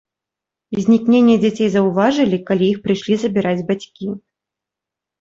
Знікненне дзяцей заўважылі, калі іх прыйшлі забіраць бацькі.